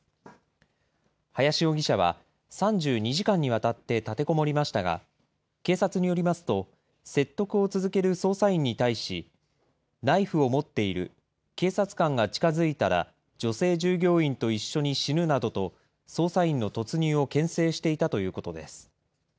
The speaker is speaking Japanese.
林容疑者は３２時間にわたって立てこもりましたが、警察によりますと、説得を続ける捜査員に対し、ナイフを持っている、警察官が近づいたら女性従業員と一緒に死ぬなどと、捜査員の突入をけん制していたということです。